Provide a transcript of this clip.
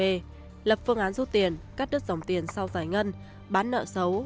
b lập phương án rút tiền cắt đứt dòng tiền sau giải ngân bán nợ xấu